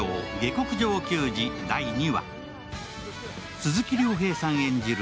鈴木亮平さん演じる